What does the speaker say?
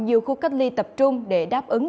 nhiều khu cách ly tập trung để đáp ứng